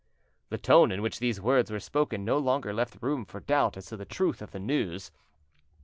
The tone in which these words were spoken no longer left room for doubt as to the truth of the news.